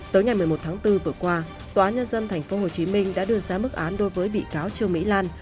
tới ngày một mươi một tháng bốn vừa qua tòa nhân dân tp hcm đã đưa ra mức án đối với bị cáo trương mỹ lan